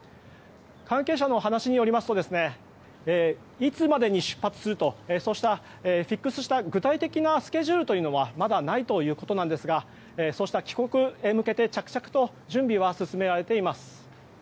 関係者の話によりますといつまでに出発するとそういった具体的なスケジュールというのはまだないということですがそうした帰国へ向けて着々と準備が進められています。